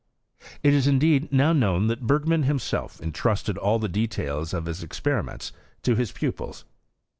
It is indeed now knowa that Bergman himself intrusted all the details of his experiments to his pupils.